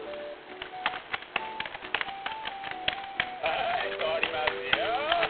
はいとりますよ。